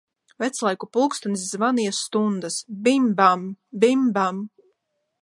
Veclaiku pulkstenis zvanīja stundas, bim bam, bim, bam!